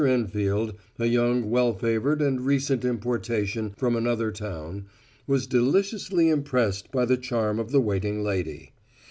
Enfield, a young, well favoured and recent importation from another town, was deliciously impressed by the charm of the waiting lady.